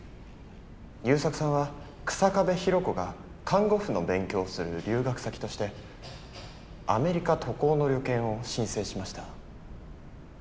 優作さんは草壁弘子が看護婦の勉強をする留学先としてアメリカ渡航の旅券を申請しました。